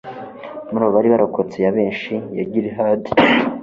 muri abo bari barokotse i yabeshi ya gilihadi